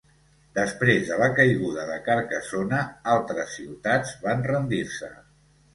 Després de la caiguda de Carcassona, altres ciutats van rendir-se.